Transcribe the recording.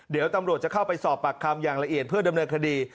เดี๋ยวตำรวจจะเข้าไปสอบปากคำอย่างละเอียดเพื่อดำเนินคดี